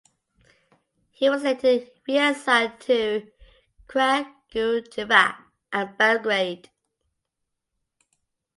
He was later reassigned to Kragujevac and Belgrade.